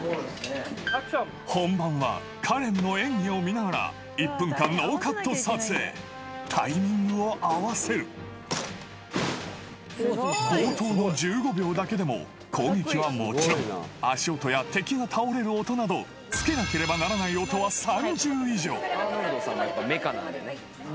本番はカレンの演技を見ながら１分間ノーカット撮影タイミングを合わせるだけでも攻撃はもちろん足音や敵が倒れる音など付けなければならない音は３０以上！